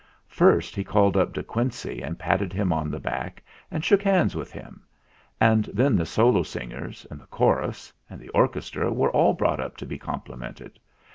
First he called up De Quincey and patted him on the back and shook hands with him ; and then the solo singers, and the chorus, and the orchestra were all brought up to be complimented.